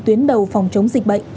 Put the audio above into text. tuyến đầu phòng chống dịch bệnh